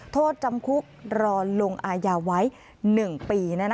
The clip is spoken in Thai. โทษจำคุกรอลงอายาไว้๑ปี